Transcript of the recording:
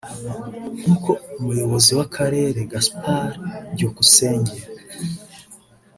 nk’uko Umuyobozi w’akarere Gaspard Byukusenge